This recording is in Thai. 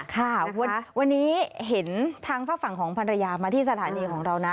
ค่ะวันนี้เห็นทางฝากฝั่งของภรรยามาที่สถานีของเรานะ